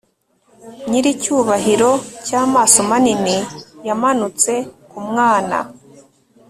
Nyiricyubahiro cyamaso manini yamanutse ku mwana